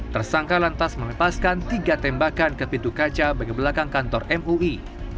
tersangka lantas melepaskan tiga tembakan ke pintu kaca bagian belakang kantor mui